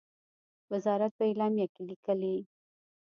وزارت په اعلامیه کې لیکلی،